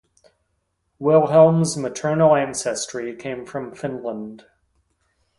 Wilhelm's maternal ancestry came from Finland.